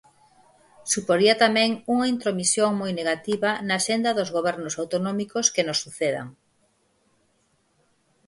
Suporía tamén unha intromisión moi negativa na axenda dos gobernos autonómicos que nos sucedan.